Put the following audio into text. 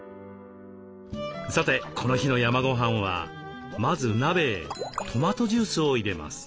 さてこの日の山ごはんはまず鍋へトマトジュースを入れます。